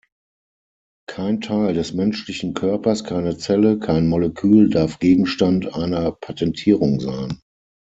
Kein Teil des menschlichen Körpers, keine Zelle, kein Molekül darf Gegenstand einer Patentierung sein.